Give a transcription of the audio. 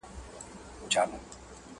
د قصاب څنګ ته موچي په کار لګیا وو!.